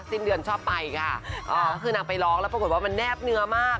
สิ้นเดือนชอบไปค่ะก็คือนางไปร้องแล้วปรุงแนบเหนือมาก